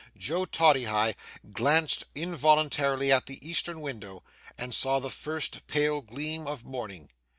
Joe Toddyhigh glanced involuntarily at the eastern window, and saw the first pale gleam of morning.